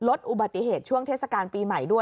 ลดอุบัติเหตุช่วงเทศกาลปีใหม่ด้วย